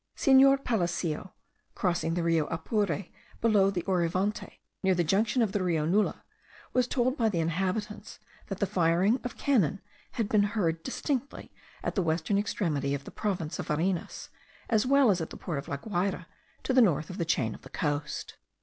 Senor Palacio, crossing the Rio Apure below the Orivante, near the junction of the Rio Nula, was told by the inhabitants, that the firing of cannon had been heard distinctly at the western extremity of the province of Varinas, as well as at the port of La Guayra to the north of the chain of the coast.